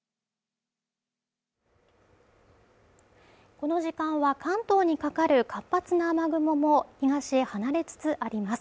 この時間は関東にかかる活発な雨雲も東へ離れつつあります。